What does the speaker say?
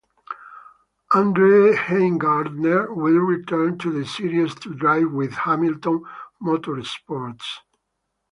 Andre Heimgartner will return to the series to drive with Hamilton Motorsports.